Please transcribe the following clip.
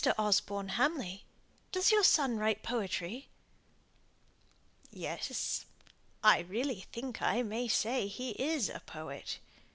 Osborne Hamley? Does your son write poetry?" "Yes. I really think I may say he is a poet.